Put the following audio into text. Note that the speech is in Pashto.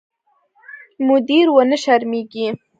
مدیر ونه شرمېږي.